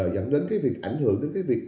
dẫn đến cái việc ảnh hưởng đến cái việc